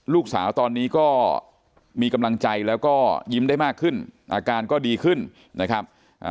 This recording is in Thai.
ลูกสาวตอนนี้ก็มีกำลังใจแล้วก็ยิ้มได้มากขึ้นอาการก็ดีขึ้นนะครับ